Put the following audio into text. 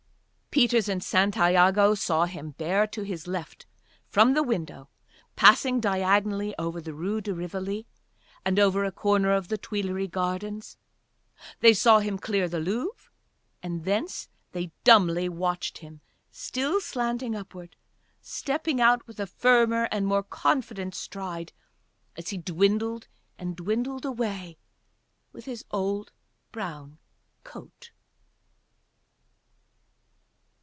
Peters and Santiago saw him bear to his left from the window; passing diagonally over the Rue de Rivoli and over a corner of the Tuileries gardens; they saw him clear the Louvre, and thence they dumbly watched him still slanting upwards, stepping out with a firmer and more confident stride as he dwindled and dwindled away with his old brown coat.